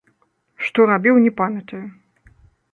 Што рабіў, не памятаю.